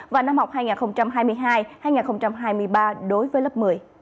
và năm học hai nghìn hai mươi hai hai nghìn hai mươi ba đối với lớp một mươi